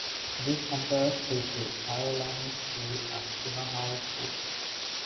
This compares it to Iolani School and Punahou School.